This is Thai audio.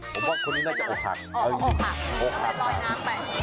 ผมว่าคนนี้น่าจะออกหักออกหักออกหักต้องไปลอยน้ำไป